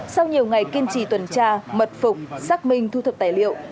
sau nhiều ngày kiên trì tuần tra mật phục xác minh thu thập tài liệu